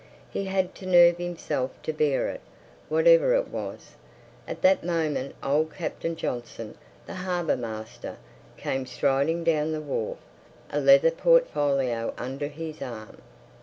He had to nerve himself to bear it, whatever it was. At that moment old Captain Johnson, the harbour master, came striding down the wharf, a leather portfolio under his arm.